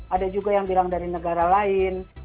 ada juga yang bilang dari negara lain